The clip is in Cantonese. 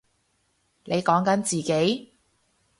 你講緊自己？